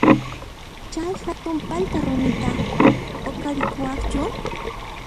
Chaqay hatun p'alta rumita huqarirquwaqchu?